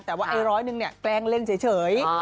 แต่ว่าไอ้ร้อยหนึ่งเนี่ยแกล้งเล่นเฉย